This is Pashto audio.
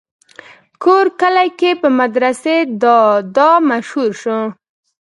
کور کلي کښې پۀ مدرسې دادا مشهور شو